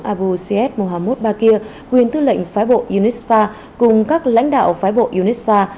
chuyển tướng abu siets mohamud bakir quyền tư lệnh phái bộ unisfa cùng các lãnh đạo phái bộ unisfa